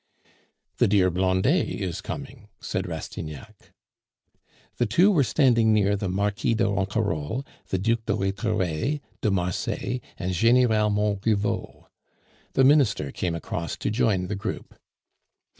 "The dear Blondet is coming," said Rastignac. The two were standing near the Marquis de Ronquerolles, the Duc de Rhetore, de Marsay, and General Montriveau. The Minister came across to join the group.